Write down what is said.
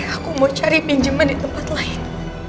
aku mau cari pinjeman di tempat lain